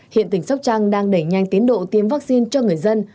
hiện tỉnh sóc trăng đang đẩy nhanh tiến độ tiêm vaccine cho người dân